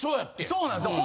そうなんですよ